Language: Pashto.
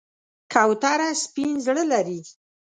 کوتره سپین زړه لري.